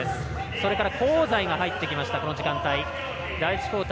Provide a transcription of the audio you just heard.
それから香西が入ってきたこの時間帯。